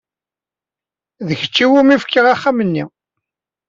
D kečč iwumi fkiɣ axxam-nni.